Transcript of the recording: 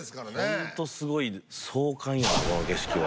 ほんとすごいで壮観やわこの景色は。